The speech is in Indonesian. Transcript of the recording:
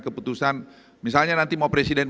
keputusan misalnya nanti mau presiden